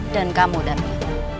dan kamu dami